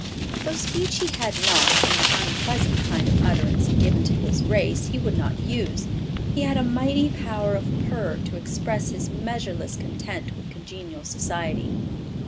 Though speech he had not, and the unpleasant kind of utterance given to his race he would not use, he had a mighty power of purr to express his measureless content with congenial society.